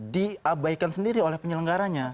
diabaikan sendiri oleh penyelenggarannya